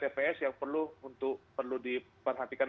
tps yang perlu diperhatikan